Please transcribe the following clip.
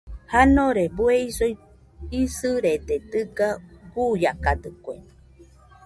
Janore bue isoi isɨrede dɨga guiakadɨkue.